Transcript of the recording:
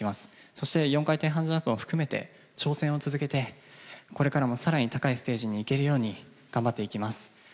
そして４回転半ジャンプも含めて挑戦を続けて、これからも更に高いステージに行けるように頑張っていきます。